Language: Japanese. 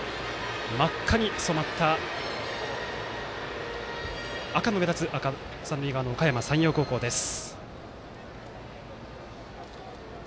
真っ赤に染まった赤が目立つ三塁側のおかやま山陽高校です。